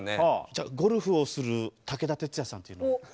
じゃあゴルフをする武田鉄矢さんというのを。